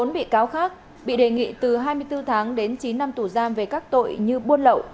một mươi bị cáo khác bị đề nghị từ hai mươi bốn tháng đến chín năm tù giam về các tội như buôn lậu